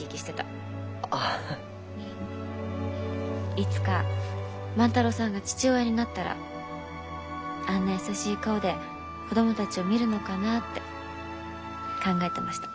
いつか万太郎さんが父親になったらあんな優しい顔で子供たちを見るのかなって考えてました。